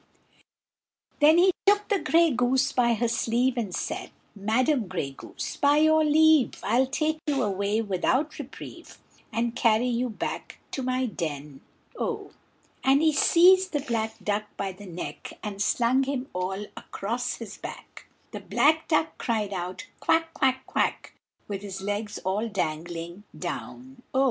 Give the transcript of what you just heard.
Then he took the grey goose by her sleeve, And said: "Madam Grey Goose, by your leave I'll take you away without reprieve, And carry you back to my den o!" And he seized the black duck by the neck, And slung him all across his back, The black duck cried out "quack, quack, quack," With his legs all dangling down o!